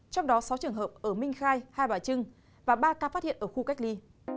trong đó sáu trường hợp ở minh khai hai bà trưng và ba ca phát hiện ở khu cách ly